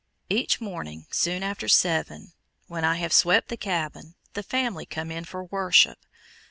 Each morning, soon after seven, when I have swept the cabin, the family come in for "worship."